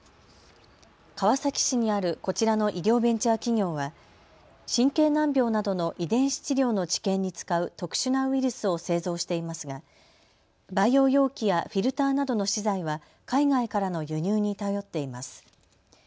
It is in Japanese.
川崎市にあるこちらの医療ベンチャー企業は神経難病などの遺伝子治療の治験に使う特殊なウイルスを製造していますが培養容器やフィルターなどの資材は海外からの輸入に頼っています。